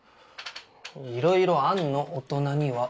いろいろあんの大人には。